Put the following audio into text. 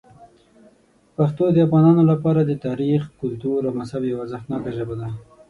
پښتو د افغانانو لپاره د تاریخ، کلتور او مذهب یوه ارزښتناک ژبه ده.